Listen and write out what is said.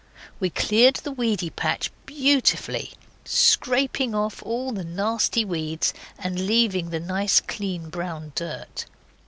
We cleared the weedy patch beautifully, scraping off all the nasty weeds and leaving the nice clean brown dirt.